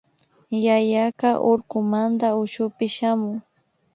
Yayaka urkumanta ushupi shamun